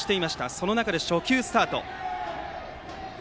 その中で初球スタート。